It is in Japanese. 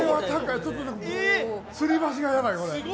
つり橋がやばい。